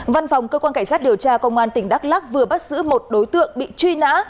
văn phòng cơ quan cảnh sát điều tra công an tỉnh đắk lắc vừa bắt giữ một đối tượng bị truy nã